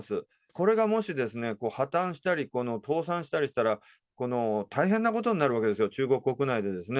これがもしですね、破綻したり倒産したりしたら、大変なことになるわけですよ、中国国内でですね。